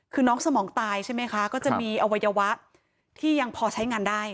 คือน้องสมองตายใช่ไหมคะก็จะมีอวัยวะที่ยังพอใช้งานได้